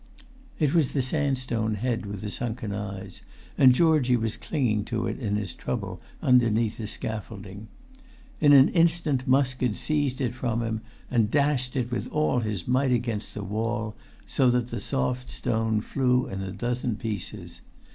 [Pg 286]It was the sandstone head with the sunken eyes, and Georgie was clinging to it in his trouble underneath the scaffolding; in an instant Musk had seized it from him, and dashed it with all his might against the wall, so that the soft stone flew into a dozen pieces.